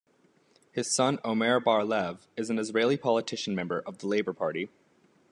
His son Omer Bar-Lev is an Israeli politician member of the Labor Party.